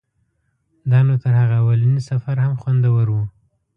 دا نو تر هغه اولني سفر هم خوندور و.